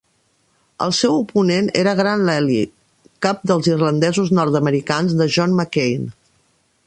El seu oponent era Grant Lally, cap dels irlandesos-nord-americans de John McCain.